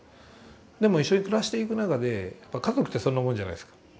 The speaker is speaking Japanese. でも一緒に暮らしていく中で家族ってそんなもんじゃないですか。